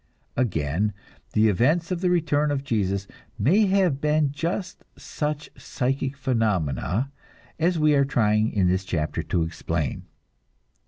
Again, the events of the return of Jesus may have been just such psychic phenomena as we are trying in this chapter to explain.